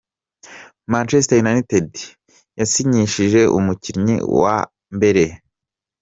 Manchester united yasinyishije umukinnyi wa mbere.